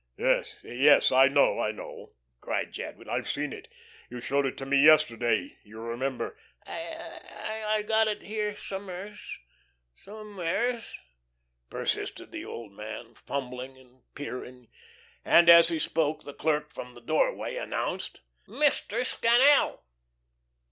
"Yes, yes, I know, I know," cried Jadwin. "I've seen it. You showed it to me yesterday, you remember." "I I got it here somewheres ... somewheres," persisted the old man, fumbling and peering, and as he spoke the clerk from the doorway announced: "Mr. Scannel."